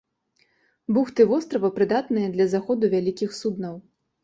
Бухты вострава прыдатныя для заходу вялікіх суднаў.